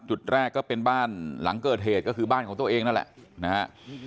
จุดแรกก็เป็นบ้านหลังเกิดเหตุก็คือบ้านของตัวเองนั่นแหละนะฮะ